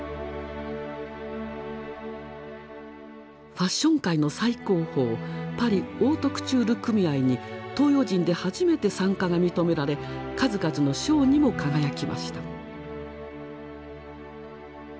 ファッション界の最高峰パリ・オートクチュール組合に東洋人で初めて参加が認められ数々の賞にも輝きました。